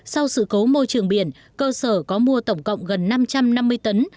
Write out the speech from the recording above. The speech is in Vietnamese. sau sự cố môi trường biển cơ sở có mua tổng cộng gần năm trăm năm mươi tấn